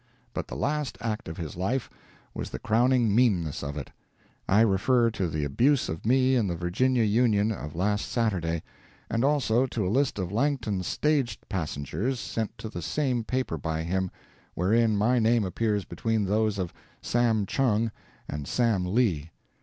But the last act of his life was the crowning meanness of it: I refer to the abuse of me in the Virginia Union of last Saturday, and also to a list of Langton's stage passengers sent to the same paper by him, wherein my name appears between those of "Sam Chung" and "Sam Lee."